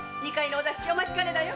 お座敷お待ちかねだよ。